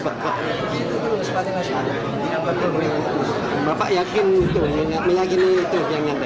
berapa yakin itu